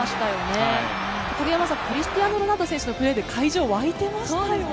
影山さん、クリスティアーノ・ロナウド選手のプレーで会場は沸いてましたね。